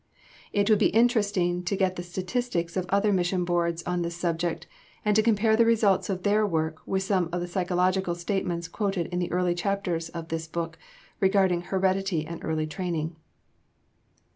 It would be interesting to get the statistics of other Missions and Boards on this subject and to compare the results of their work with some of the psychological statements quoted in the early chapters of this book regarding heredity and early training.